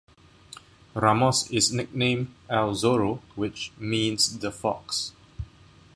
Ramos is nicknamed "El Zorro" which means The Fox.